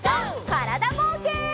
からだぼうけん。